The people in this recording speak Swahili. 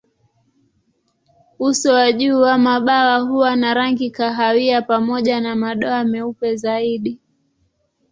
Uso wa juu wa mabawa huwa na rangi kahawia pamoja na madoa meupe zaidi.